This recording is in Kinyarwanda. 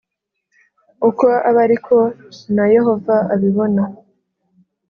Uko abe ari ko na Yehova abibona